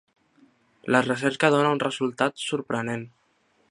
La recerca dóna un resultat sorprenent.